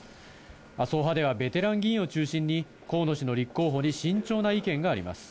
麻生派ではベテラン議員を中心に、河野氏の立候補に慎重な意見があります。